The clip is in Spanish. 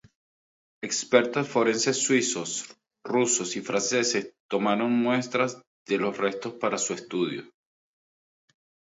Expertos forenses suizos, rusos y franceses tomaron muestras de los restos para su estudio.